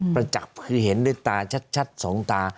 ประจับคือเห็นด้วยตาชัดสองตา